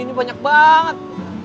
ini banyak banget